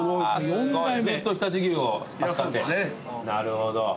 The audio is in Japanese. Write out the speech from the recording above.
なるほど。